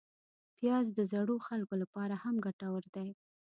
پیاز د زړو خلکو لپاره هم ګټور دی